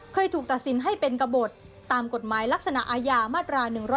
เคยถูกตัดสินให้เป็นกระบดตามกฎหมายลักษณะอาญามาตรา๑๑๒